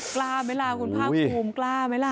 กล้าไหมล่ะคุณภาคภูมิกล้าไหมล่ะ